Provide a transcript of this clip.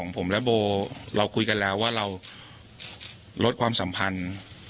ผมและโบเราคุยกันแล้วว่าเราลดความสัมพันธ์